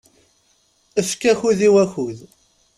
Efk akud i wakud.